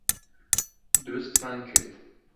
دروستمان کرد.